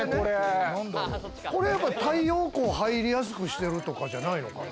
これやっぱ、太陽光入りやすくしてるとかじゃないのかな？